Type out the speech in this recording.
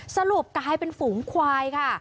สรุปกลายเป็นฝูงควายค่ะ